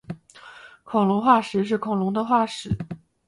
恐龙化石是恐龙的化石。